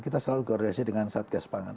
kita selalu koordinasi dengan satgas pangan